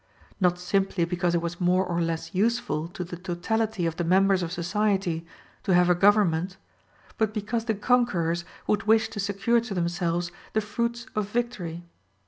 Not simply because it was more or less useful to the totality of the members of society to have a government, but because the conquerors would wish to secure to themselves the fruits of victory.